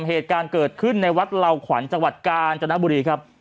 เหตุการณ์เกิดขึ้นในวัดเหล่าขวัญจังหวัดกาญจนบุรีครับ